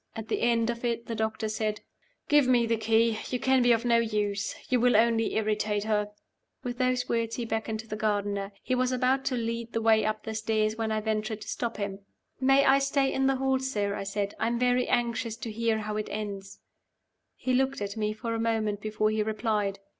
At the end of it the doctor said, "Give me the key. You can be of no use; you will only irritate her." With those words he beckoned to the gardener. He was about to lead the way up the stairs when I ventured to stop him. "May I stay in the hall, sir?" I said. "I am very anxious to hear how it ends." He looked at me for a moment before he replied.